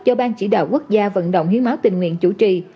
do ban chỉ đạo quốc gia vận động hiến máu tình nguyện chủ trì